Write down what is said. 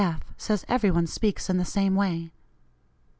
F says every one speaks in the same way.